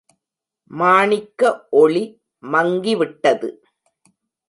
மாணிக்க ஒளி மங்கிவிட்டது.